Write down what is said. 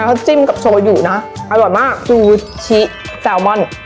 เขาจิ้มกับโชยุนะอร่อยมากซูชิแซลมอน